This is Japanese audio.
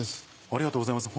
ありがとうございます。